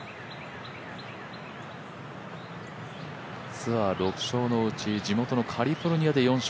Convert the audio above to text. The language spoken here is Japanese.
ツアー６勝のうち、地元・カリフォルニアで４勝。